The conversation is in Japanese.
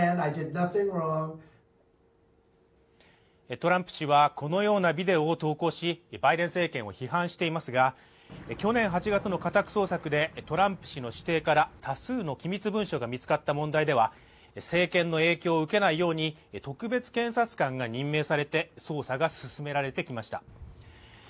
トランプ氏はこのようなビデオを投稿し、バイデン政権を批判していますが去年８月の家宅捜索でトランプ氏の私邸から多数の機密文書が見つかった問題では、政権の影響を受けないように特別検察官が任命されて捜査が進められてきました。